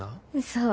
そう。